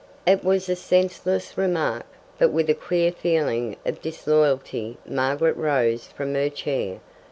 It was a senseless remark, but with a queer feeling of disloyalty Margaret rose from her chair.